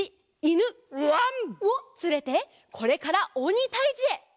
わん！をつれてこれからおにたいじへ！